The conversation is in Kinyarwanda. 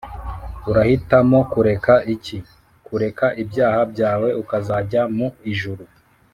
Urahitamo kureka iki? Kureka ibyaha byawe ukazajya mu ijuru